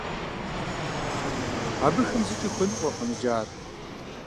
Абыхэм зыкӀи хуэныкъуэжкъым иджы ар.